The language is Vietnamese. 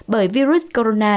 bởi virus corona